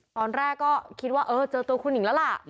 ตอนแรกก็คิดว่าเออเจอตัวคุณหญิงแล้วล่ะ